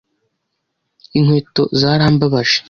Inkweto zarambabaje.